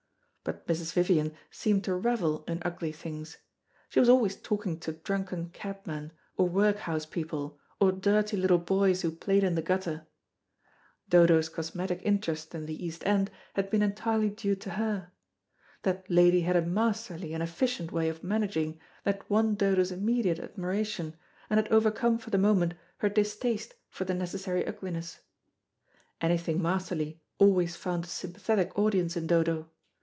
But Mrs. Vivian seemed to revel in ugly things. She was always talking to drunken cabmen, or workhouse people, or dirty little boys who played in the gutter. Dodo's cometic interest in the East End had been entirely due to her. That lady had a masterly and efficient way of managing, that won Dodo's immediate admiration, and had overcome for the moment her distaste for the necessary ugliness. Anything masterly always found a sympathetic audience in Dodo.